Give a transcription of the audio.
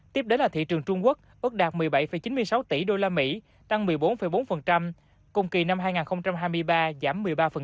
tiếp đến là thị trường trung quốc ước đạt một mươi bảy chín mươi sáu tỷ usd tăng một mươi bốn bốn cùng kỳ năm hai nghìn hai mươi ba giảm một mươi ba